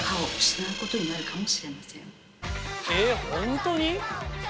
えっ本当に？